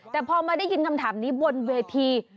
แต่พอมาได้ยินคำถามนี้บนเวที